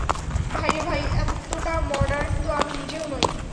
ভাই রে ভাই, এত্ত টা মডার্ণ তো আমি নিজেও নই।